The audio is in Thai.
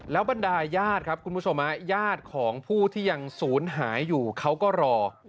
บรรดาญาติครับคุณผู้ชมฮะญาติของผู้ที่ยังศูนย์หายอยู่เขาก็รอ